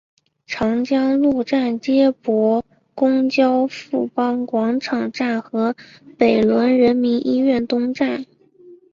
长江路站接驳公交富邦广场站和北仑人民医院东站。